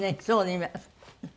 そうね今。